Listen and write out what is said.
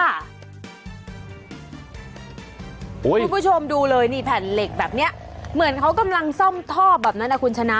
คุณผู้ชมดูเลยนี่แผ่นเหล็กแบบนี้เหมือนเขากำลังซ่อมท่อแบบนั้นนะคุณชนะ